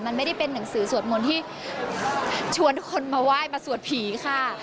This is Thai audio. มันไม่ได้เป็นหนังสือสวดมนต์ที่ชวนคนมาไหว้มาสวดผีค่ะ